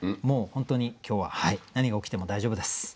もう本当に今日は何が起きても大丈夫です。